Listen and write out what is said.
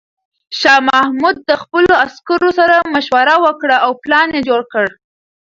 شاه محمود د خپلو عسکرو سره مشوره وکړه او پلان یې جوړ کړ.